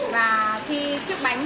và khi chiếc bánh